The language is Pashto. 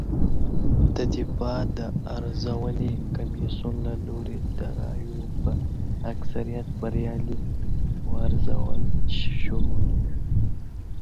د دفاع د ارزونې کمېسیون له لوري د رایو په اکثریت بریالۍ وارزول شوه